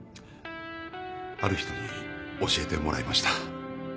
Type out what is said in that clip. ある人に教えてもらいました。